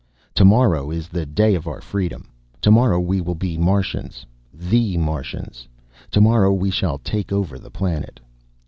Tomorrow is the day of our freedom. Tomorrow we will be Martians, the Martians. Tomorrow we shall take over the planet.